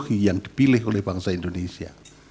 pada ideologi yang dipilih oleh bangsa indonesia